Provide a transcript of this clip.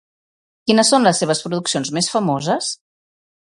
Quines són les seves produccions més famoses?